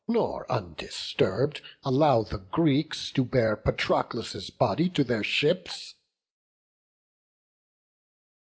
nor undisturbed allow the Greeks To bear Patroclus' body to their ships."